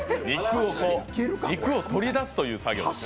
肉を取り出すという作業ですね。